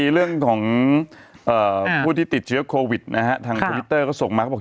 เรื่องของผู้ที่ติดเชื้อโควิดนะฮะทางทวิตเตอร์ก็ส่งมาเขาบอก